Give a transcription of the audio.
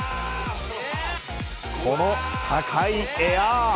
この高いエア。